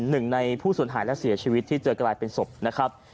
หนึ่งในผู้สูญหายและเสียชีวิตที่เจอกลายเป็นศพนะครับ